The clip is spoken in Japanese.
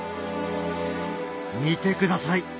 見てください